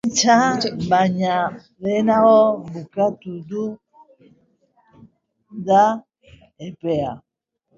Pentsa baino lehenago bukatu da epea.